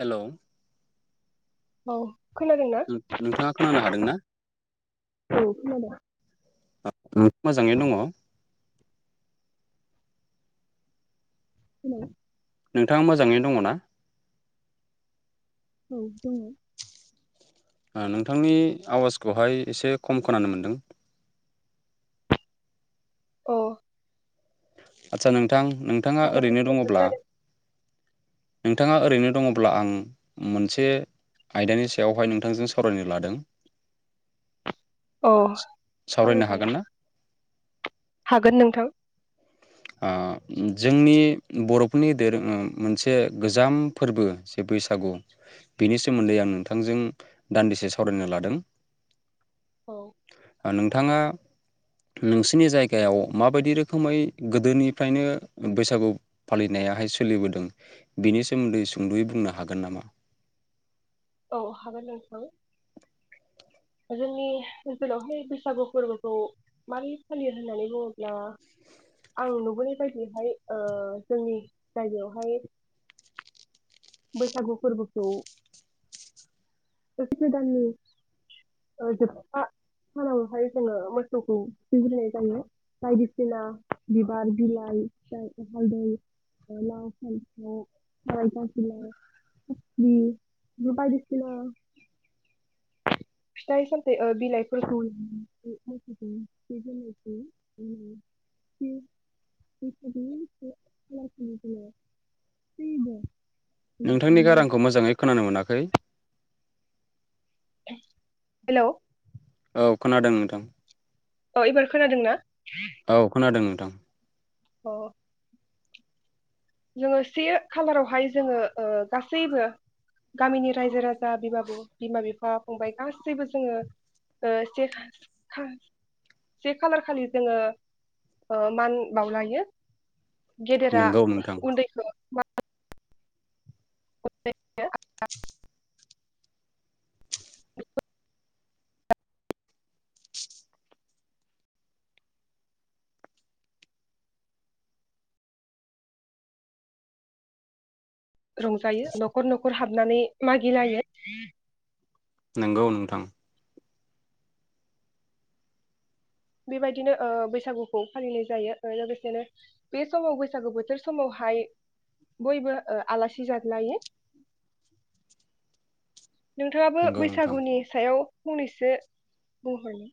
Hello औ खोनादोंना? नों नोंथाङा खोनानो हादोंना? उम खोनादों मोजाङै दङ [unintelligible] नोंथाङा मोजाङैनो दङ ना? औ दं ओ नोंथांनि आवाजखौहाय एसे खम खोनानो मोनदों। औ आतसा नों थां नोंथाङा माबानि ओरैनो प्रब्लेम दङब्ला जादों नोंथाङा ओरैनो दङब्ला आं मोनसे आयदानि सायावहाय नोंथांजों सावरायनो लादों औ सावराय सावरायनो जागोन। हागोन ना हागोन नोंथां ओ जोंनि बर'फोरनि दोरों उम मोनसे गोजाम फोरबो जे बैसागु बिनि सोमोन्दै आं नोंथांजों दान्दिसे सावरायनो लादों औ नोंथाङा नोंसिनि जायगायाव माबायदि रोखोमै गोदोनिफ्रायनो बैसागु फालिनायाहाय सोलिबोदों बिनि सोमोन्दै सुंद'यै बुंनो हागोन नामा? औ हागोन नोंथां जोंनि ओनसोलावहाय बैसागु फोरबोखौ मारै फालियो होन्नानै बुङोब्ला आं नुबोनाय बायदिहाय ओ जोंनि जायगायावहाय बैसागु फोरबोखौ बोस गोदाननि ओ जोबथा सानावहाय जोङो मोसौखौ थुखैग्रोनाय जायो बायदिसिना बिबार बिलाइ ओमफ्राय हालदै ओ लाव फान्थाव ओ बिलाइ बायदिसिना फिथाइ सामथाइ ओ बिलाइफोरखौ नोंथांनि गारांखौ मोजाङै खोनानो मोनाखै [inaudible] हेल' औ खोनादों नोंथां अ एबार खोनादों ना? औ खोनादों। दां अ जोङो से खालारावहाय जोङो ओ गासैबो गामिनि रायजो राजा बिमा बिफा फंबाय गासैबो जोङो ओ से खा खा से खालार खालि जोङो ओ मान बावलायो गेदेरा नोंगौ नोंथां उन्दैखौ [unintelligible] रंजायो न'खर न'खर हाब हाबनानै मागिलायो नंगौ नोंथां बेबायदिनो ओ बैसागुखौ फालिनाय जायो लोगोसेनो बे समाव बैसागु बोथोर समावहाय बयबो ओ आलासि जादलायो नोंथाङाबो नोंगौ नोंथां बैसागुनि सायाव फंनैसो बुंहरनो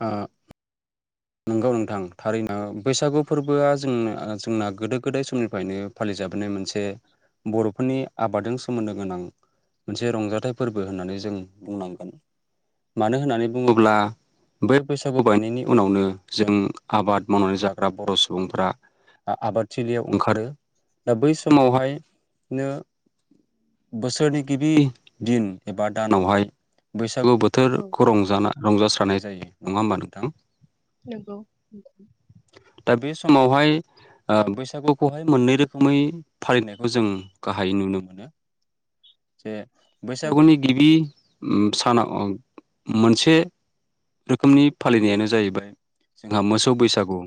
आ नंगौ नोंथां थारैनो बैसागु फोरबोआ जोंनो जोंना गोदो गोदाय समनिफ्रायनो फालिजाबोनाय मोनसे बर'फोरनि आबादजों सोमोन्दो गोनां मोनसे रंजाथाइ फोरबो होननानै जों बुंनांगोन मानो होननानै बुङोब्ला बै बैसागु बायनायनि उनावनो जों आबाद मावनानै जाग्रा बर' सुबुंफोरा आ आबादथिलियाव ओंखारो दा बै समावहायनो बोसोरनि गिबि दिन एबा दानावहाय बैसा सागु औ बोथोरखौ रंजा रंजास्रानाय जायो नङा होमबा नोंथां? नंगौ दा बे समावहाय ओ बैसागुखौहाय मोननै रोखोमै फालिनायखौ जों गाहायै नुनो मोनो जे औ बैसागुनि गिबि ओम सानाव ओम मोनसे रोखोमनि फालिनायानो जाहैबाय जोंहा मोसौ बैसागु गु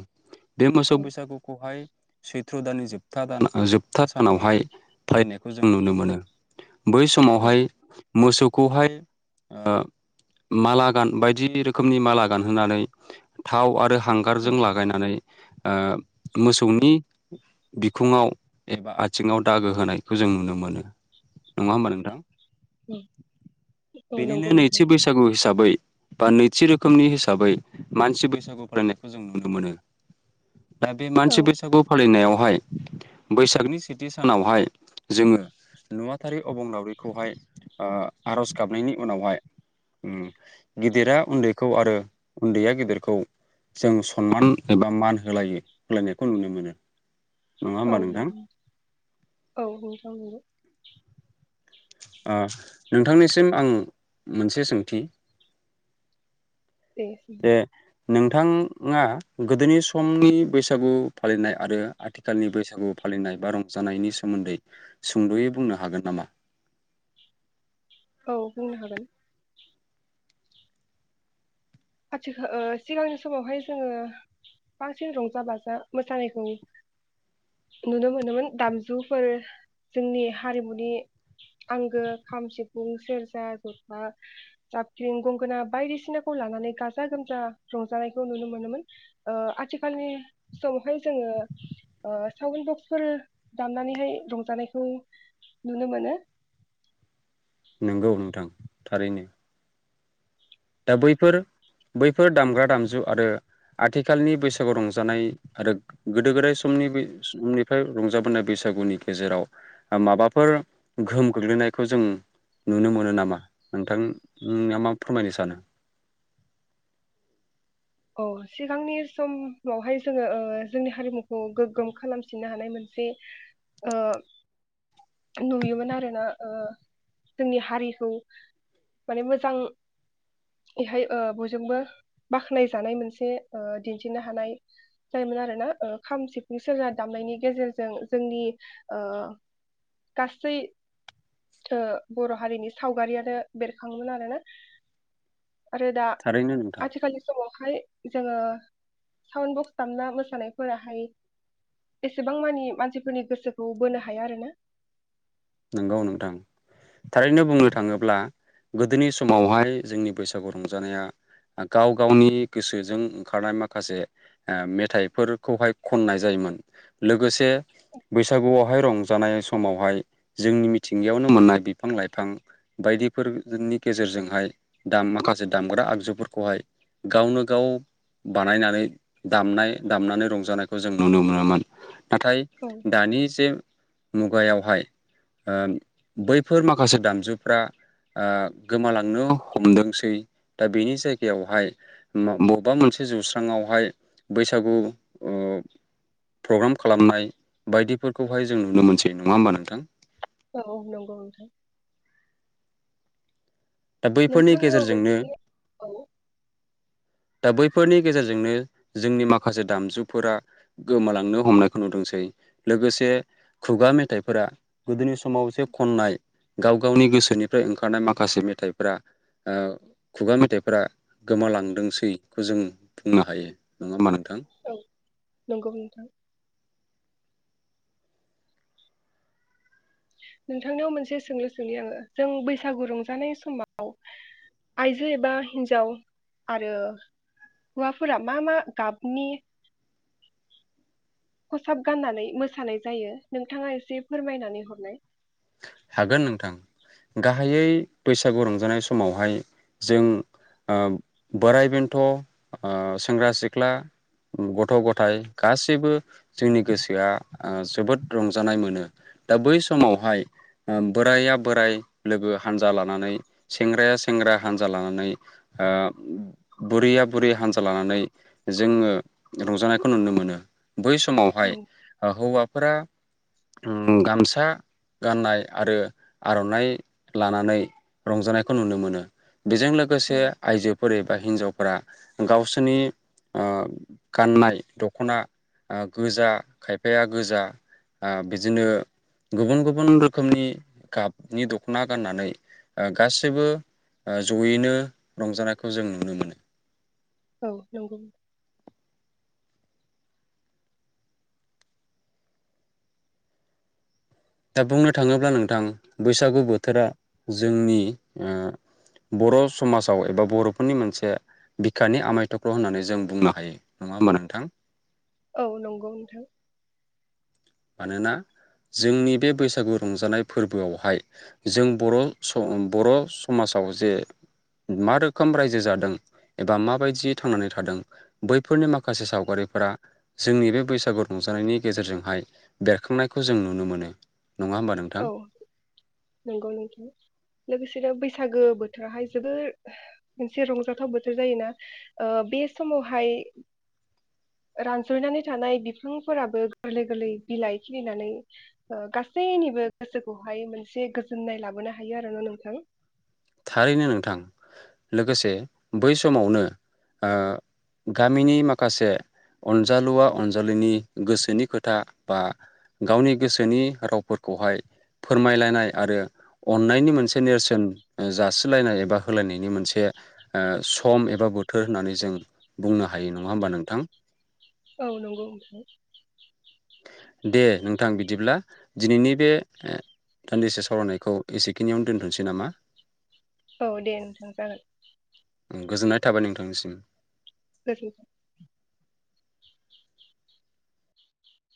बे मोसौ औ बैसागुखौहाय सैथ्र' दाननि जोबथा दान जोबथा सानावहाय थायनायखौ जों नुनो मोनो बै औ समावहाय मोसौखौहाय ओ माला गान बायदि रोखोमनि माला गान होनानै थाव आरो औ हांगारजों ला गायनानै ओ मोसौनि बिखङाव एबा आथिङाव दागो होनायखौ जों नुनो मोनो नङा होमबा नोंथां? [inaudible] औ बेनिनो नंगौ नैथि नोंथां बैसागु हिसाबै बा नैथि रोखोमनि हिसाबै मानसि बैसागु फरायनायखौ जों नु नो मोनो दा बे औ मानसि बैसागु फालिनायाव -हाय बैसागनि सेथि सानावहाय जोङो नुवाथारि अबं लावरिखौहाय आर'ज गाबनायनि उनावहाय उम गिदिरा उन्दैखौ आरो उन्दैया गिदिरखौ जों सनमान एबा मान होलायो होलायनायखौ नुनो मोनो नङा औ होमबा नोंथां नंगौ औ नोंथां नोंगौ ओ नोंथांनिसिम आं मोनसे सोंथि दे ओम जे नोंथाङा गोदोनि समनि बैसागु फालिनाय आरो आथिखालनि बैसागु फालिनाय बा रंजानायनि सोमोन्दै सुंद'यै बुंनो हागोन नामा? औ बुंनो हागोन आथिखा ओ सिगांनि समावहाय जोङो बांसिन रंजा बाजा मोसानायखौ नुनो मोनोमोन दामजुफोर जोंनि हारिमुनि आंगो खाम सिफुं सेरजा जथा जाबख्रिं गंगोना बायदिसिनाखौ लानानै गाजा गोमजा रंजानायखौ नुनो मोनोमोन ओ आथिखालनि समावहाय जोङो ओ सावन् बक्सफोर दामनानैहाय रंजानायखौ नुनो मोनो नंगौ नोंथां थारैनो। दा बैफोर बैफोर दामग्रा दामजु आरो आथिखालनि बैसागु रंजानाय आरो गोदो गोदाय समनि बै समनिफ्राय रंजाबोनाय बैसागुनि गेजेराव माबाफोर गोहोम गोग्लैनायखौ जों नुनो मोनो नामा नोंथां ना मा फोरमायनो सानो। अ सिगांनि समावहाय जोङो ओ जोंनि हारिमुखौ गोग्गोम खालामफिननो हानाय मोनसे ओ नुयोमोन आरोना ओ जोंनि हारिखौ माने मोजां बेहाय बयजोंबो बाख्नाय जानाय मोनसे ओ दिन्थिनो हानाय जायोमोन आरोना ओ खाम सिफुं सेरजा दामनायनि गेजेरजों जोंनि ओ गासै ओ बर' हारिनि सावगारियानो बेरखाङोमोन आरोना आरो दा थारैनो नोंथां आथिखालनि समाव हाय जोङो साउन्ड बक्स दामना मोसानायफोराहाय एसेबां मानि मानसिफोरनि गोसोखौ बोनो हाया आरोना नंगौ नोंथां थारैनो बुंनो थाङोब्ला गोदोनि समावहाय जोंनि बैसागु रंजानाया गाव गावनि गोसोजों ओंखारनाय माखासे आ मेथाइफोरखौहाय खननाय जायोमोन लोगोसे बैसागुआवहाय रंजानाय समावहाय जोंनि मिथिंगायावनो मोननाय बिफां-लाइफां बायदिफोरनि गेजेरजोंहाय दाम माखासे दामग्रा आगजुफोरखौहाय गावनो-गाव बानायनानै दामनाय दामनानै रंजानायखौ जों नुनो मोनोमोन नाथाय औ दानि जे मुगायावहाय ओ बैफोर माखासे दामजुफ्रा आ गोमालांनो हमदोंसै दा बेनि जायगायावहाय मा बबेबा मोनसे जौस्रांआवहाय बैसागु प्रग्राम खालामनाय बायदिफोरखौहाय जों नुनो मोनसै नङा होमबा नोंथां? औ नंगौ नोंथां। दा बैफोरनि नोंथांनो आं गेजेरजोंनो मोनसे औ दा बैफोरनि गेजेरजोंनो जोंनि माखासे दामजुफोरा गोमालांनो हमनायखौ नुदोंसै लोगोसे खुगा मेथाइफोरा गोदोनि समाव जे खननाय गाव-गावनि गोसोनिफ्राय ओंखारनाय माखासे मेथाइफोरा आ खुगा मेथाइफोरा गोमालांदोंसै जों बुंनो हायो नङा होमबा नों औ नंगौ नोंथां नोंथांनियाव मोनसे सोंलु सोंनि आङो जों बैसागु रंजानाय समाव आइजो एबा हिनजाव आरो हौवाफोरा मा मा गाबनि खसाब गाननानै मोसानाय जायो नोंथाङा एसे फोरमायनानै हरनाय। हागोन नोंथां। गाहायै बैसागु रंजानाय समावहाय जों ओ बोराइ-बेन्थ', ओ सेंग्रा-सिख्ला, गथ'-गथाइ गासैबो जोंनि गोसोआ आ जोबोद रंजानाय मोनो दा बै समावहाय बोराया बोराय लोगो हानजा लानानै, सेंग्राया सेंग्रा हानजा लानानै ओ बुरैया बुरै हानजा लानानै जोङो रंजानायखौ नुनो मोनो बै औ समावहाय ओ हौवा फोरा उम गामसा गाननाय आरो आर'नाइ लानानै रंजानायखौ नुनो मोनो बेजों लोगोसे औ आइजोफोर एबा हिनजाव फोरा गावसोरनि ओ गाननाय दख'ना आ गोजा खायफाया गोजा ओ बिदिनो गुबुन गुबुन गुबुन रोखोमनि गाबनि दख'ना गाननानै ओ गासैबो ओ जयैनो रंजानायखौ जों नुनो मोनो औ नंगौ दा बुंनो थाङोब्ला नोंथां बैसागु बोथोरा जोंनि ओ बर' समाजाव एबा बर'फोरनि मोनसे बिखानि आमाय थख्ल' होननानै जों बुंनो हायो नङा होमबा नोंथां? औ नंगौ नोंथां मानोना जोंनि बे बैसागु रंजानाय फोरबोआवहाय जों बर' स बर' समाजाव जे मा रोखोम रायजो जादों एबा माबायदियै थांनानै थादों बैफोरनि माखासे सावगारिफोरा जोंनि बे बैसागु रंजानायनि गेजेरजोंहाय बेरखांनायखौ जों नुनो मोनो। नङा होमबा नोंथां औ नंगौ नोंथां। लोगोसेनो बै सागो बोथोरहाय जोबोर मोनसे रंजाथाव बोथोर जायोना ओ बे समावहाय रानज्रयनानै थानाय बिफांफोराबो गोरलै गोरलै बिलाइ खिलिनानै ओ गासैनिबो गोसोखौहाय मोनसे गोजोननाय लाबोनो हायो आरो ना नोंथां। थारैनो नोंथां लोगोसे बै समावनो ओ गामिनि माखासे अनजालुवा अनजालिनि गोसोनि खोथा बा गावनि गोसोनि रावफोरखौहाय फोरमायलायनाय आरो अन्नायनि मोनसे नेरसोन ओ जासिलायनाय एबा होलायनायनि मोनसे ओ सम एबा बोथोर होननानै जों बुंनो हायो नङा होमबा नोंथां। औ नंगौ नोंथां दे नोंथां बिदिब्ला दिनैनि बे ओ दान्दिसे सावरायनायखौ एसेखिनियावनो दोन्थ'नोसै नामा। औ दे नोंथां जागोन उम गोजोननाय थाबाय नोंथांनिसिम। गोजोनथों